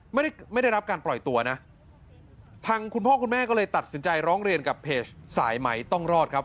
ไม่ได้ไม่ได้รับการปล่อยตัวนะทางคุณพ่อคุณแม่ก็เลยตัดสินใจร้องเรียนกับเพจสายไหมต้องรอดครับ